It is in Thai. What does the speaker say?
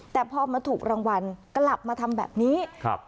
แต่พอมาถูกรางวัลกลับมาทำแบบนี้ครับ